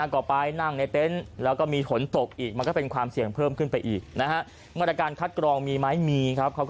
ก็ไปนั่งในเต็นต์แล้วก็มีฝนตกอีกมันก็เป็นความเสี่ยงเพิ่มขึ้นไปอีกนะฮะ